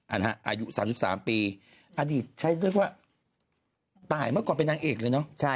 อายุ๓๓ปีอดีตใช้ด้วยว่าตายเมื่อก่อนเป็นนางเอกเลยเนอะ